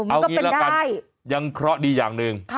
เออมันก็เป็นได้เอางี้แล้วกันยังเคราะห์ดีอย่างนึง